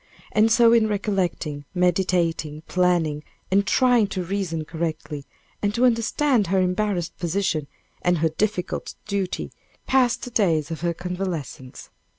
And so in recollecting, meditating, planning, and trying to reason correctly, and to understand her embarrassed position, and her difficult duty, passed the days of her convalescence.